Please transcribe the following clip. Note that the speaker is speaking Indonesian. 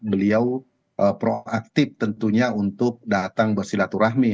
beliau proaktif tentunya untuk datang bersilaturahmi